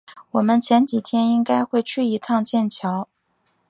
我们前几天应该会去一趟剑桥